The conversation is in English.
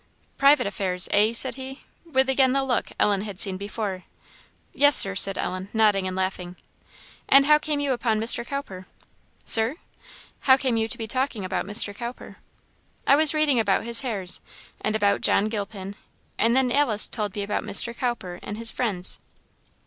"Private affairs, eh?" said he, with again the look Ellen had seen before. "Yes, Sir," said Ellen, nodding and laughing. "And how came you upon Mr. Cowper?" "Sir?" "How came you to be talking about Mr. Cowper?" "I was reading about his hares, and about John Gilpin; and then Alice told me about Mr. Cowper and his friends."